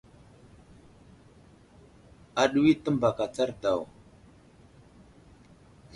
Aɗuwa i təmbak atsar daw.